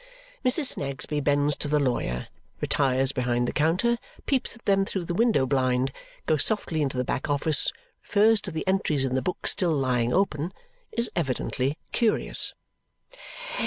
Mrs. Snagsby bends to the lawyer, retires behind the counter, peeps at them through the window blind, goes softly into the back office, refers to the entries in the book still lying open. Is evidently curious.